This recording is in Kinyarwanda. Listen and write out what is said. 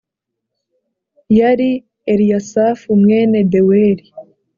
yari eliyasafu mwene deweli